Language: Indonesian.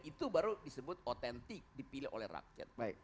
itu baru disebut otentik dipilih oleh rakyat